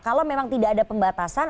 kalau memang tidak ada pembatasan